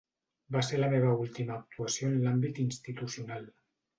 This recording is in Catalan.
Va ser la meva última actuació en l'àmbit institucional.